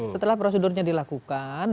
setelah prosedurnya dilakukan